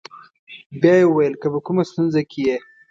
بیا یې وویل: که په کومه ستونزه کې یې.